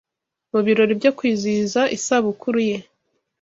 mu birori byo kwizihiza isabukuru ye